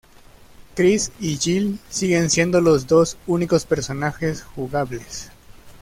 Chris y Jill siguen siendo los dos únicos personajes jugables.